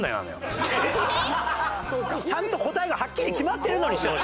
ちゃんと答えがはっきり決まってるのにしてほしい。